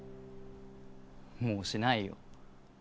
もうしないよ。